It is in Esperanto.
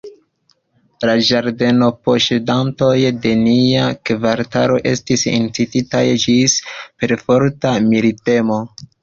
La ĝardenposedantoj de nia kvartalo estis incititaj ĝis perforta militemo.